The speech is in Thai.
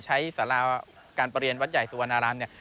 ใช้สาราการเปรียญวัดใหญ่สุวรรณรันต์เนี่ย